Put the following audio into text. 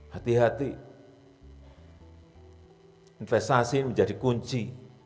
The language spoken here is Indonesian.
hati hati investasi menjadi kunci